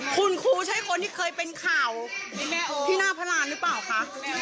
คุณครูใช่คนที่เคยเป็นข่าวที่หน้าพระรานหรือเปล่าคะ